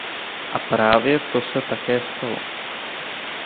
A právě to se také stalo.